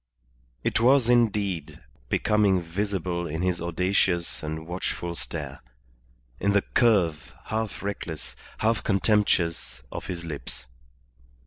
It was, indeed, becoming visible in his audacious and watchful stare, in the curve, half reckless, half contemptuous, of his lips.